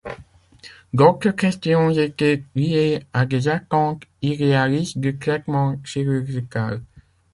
D'autres questions étaient liées à des attentes irréalistes du traitement chirurgical.